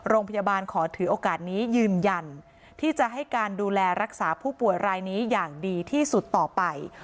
โรงพยาบาลขอถือโอกาสนี้ยืนยันที่จะให้การดูแลรักษาผู้ป่วยรายนี้อย่างดีที่สุดต่อไป